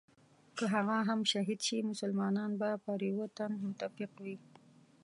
که هغه هم شهید شي مسلمانان به پر یوه تن متفق وي.